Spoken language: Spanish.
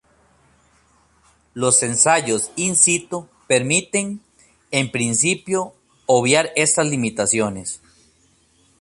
Los ensayos "in situ" permiten, en principio, obviar estas limitaciones.